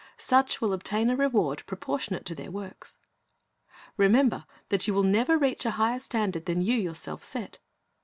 Such will obtain a reward proportionate to their works. Remember that you will never reach a higher .standard than you yourself set.